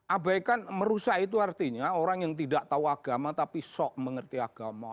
abaikan merusak itu artinya orang yang tidak tahu agama tapi sok mengerti agama